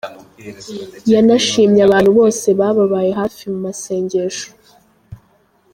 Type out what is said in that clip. Yanashimye abantu bose bababaye hafi mu masengesho.